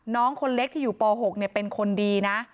น้องคนเล็กที่อยู่ป๖เป็นคนดีนะ